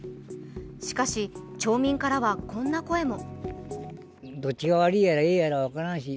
しかし、町民からはこんな声も。